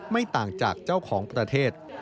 ไม่ต่างจากเจ้าของประเทศ